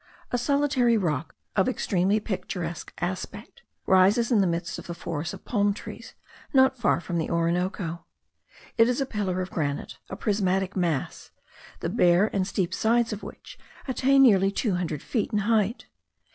A solitary rock, of extremely picturesque aspect, rises in the midst of a forest of palm trees, not far from the Orinoco. It is a pillar of granite, a prismatic mass, the bare and steep sides of which attain nearly two hundred feet in height.